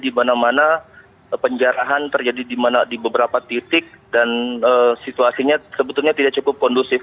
di mana mana penjarahan terjadi di beberapa titik dan situasinya sebetulnya tidak cukup kondusif